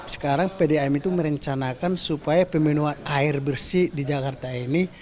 sekarang pam itu merencanakan supaya peminuan air bersih di jakarta ini